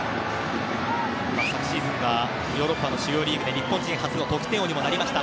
昨シーズンはヨーロッパの主要リーグで日本人初の得点王にもなりました。